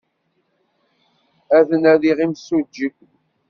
Ad d-nadiɣ imsujji.